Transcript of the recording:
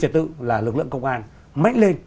trật tự là lực lượng công an mạnh lên